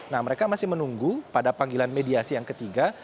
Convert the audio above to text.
nah mereka masih menunggu pada panggilan mediasi yang ketiga